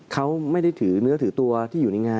เขาไม่ได้ถือเนื้อถือตัวที่อยู่ในงาน